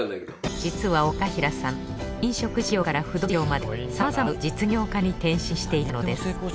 実は岡平さん飲食事業から不動産事業までさまざまな経営を行う実業家に転身していたのです。